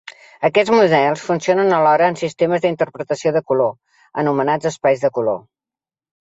Aquests models funcionen alhora en sistemes d'interpretació del color, anomenats espais de color.